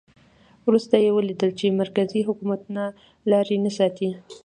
وروسته یې ولیدل چې مرکزي حکومت لاري نه ساتي.